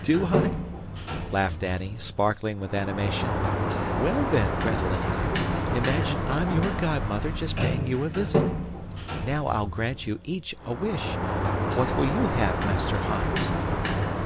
"Do I?" laughed Annie, sparkling with animation. "Well, then, Gretel and Hans, imagine I'm your godmother just paying you a visit. Now I'll grant you each a wish. What will you have, Master Hans?"